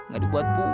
gak dibuat buat lagi